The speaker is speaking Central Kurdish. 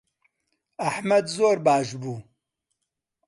ئەحمەد زۆر باش بوو.